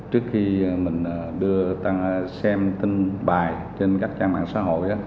trước khi mình đưa tăng xem tin bài trên các trang mạng xã hội